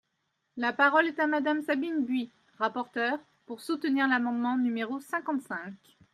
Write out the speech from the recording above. La parole est à Madame Sabine Buis, rapporteure, pour soutenir l’amendement numéro cinquante-cinq.